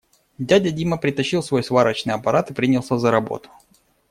Дядя Дима притащил свой сварочный аппарат и принялся за работу.